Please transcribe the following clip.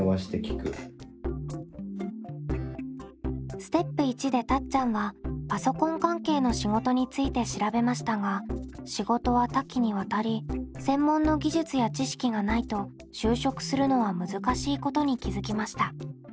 ステップ①でたっちゃんはパソコン関係の仕事について調べましたが仕事は多岐にわたり専門の技術や知識がないと就職するのは難しいことに気付きました。